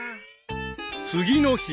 ［次の日］